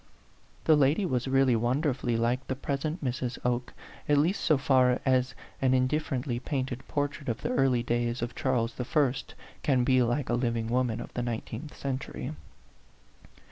The lady was really wonder fully like the present Mrs. Oke, at least so far as an indifferently painted portrait of the early days of Charles I. can be like a living woman of the nineteenth century.